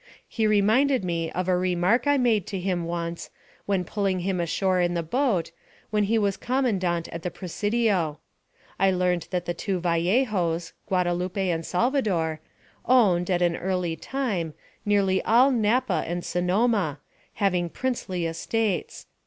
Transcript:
He reminded me of a remark I made to him once, when pulling him ashore in the boat, when he was commandante at the Presidio. I learned that the two Vallejos, Guadalupe and Salvador, owned, at an early time, nearly all Napa and Sonoma, having princely estates.